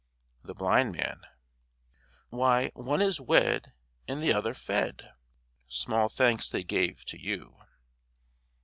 THE BLIND MAN Why, one is wed and t'other fed: Small thanks they gave to you.